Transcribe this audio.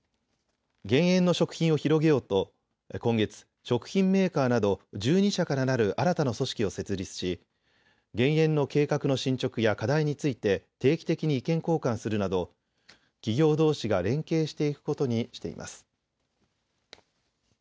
減塩の食品を広げようと今月、食品メーカーなど１２社からなる新たな組織を設立し減塩の計画の進捗や課題について定期的に意見交換するなど企業どうしが連携していくことにしています。